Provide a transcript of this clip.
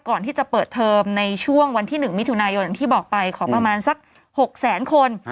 ก่อนที่จะเปิดเทอมในช่วงวันที่๑มิถุนายนอย่างที่บอกไปขอประมาณสัก๖แสนคน